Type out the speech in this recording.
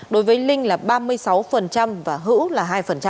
đối với linh là ba mươi sáu và hữu là hai